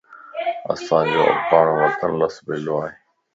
اسانجو اباڻون وطن لسيبلا ائي